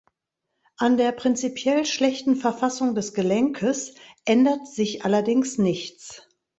An der prinzipiell schlechten Verfassung des Gelenkes ändert sich allerdings nichts.